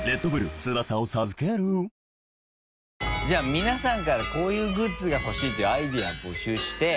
皆さんからこういうグッズがほしいっていうアイデア募集して。